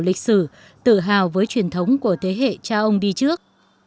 lịch sử tự hào với truyền thống của thế hệ cha ông đi trước